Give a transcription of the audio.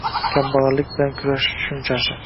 «kambag‘allik bilan kurashish» tushunchasi